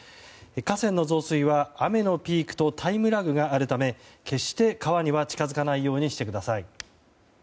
河川の増水は雨のピークとタイムラグがあるため決して川には近づかないようにしてください。